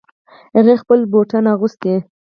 هغې خپلې بوټان اغوستې